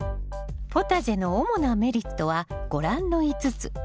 ポタジェの主なメリットはご覧の５つ。